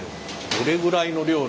どれぐらいの量の。